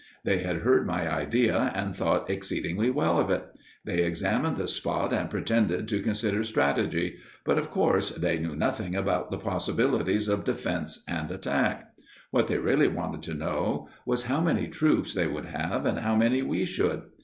They had heard my idea, and thought exceedingly well of it. They examined the spot and pretended to consider strategy, but, of course, they knew nothing about the possibilities of defence and attack. What they really wanted to know was how many troops they would have, and how many we should.